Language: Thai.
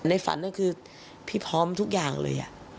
ฝันก็คือพี่พร้อมทุกอย่างเลย